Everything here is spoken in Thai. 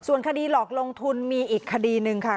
ส่วนคดีหลอกลงทุนมีอีกคดีหนึ่งค่ะ